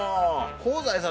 香西さん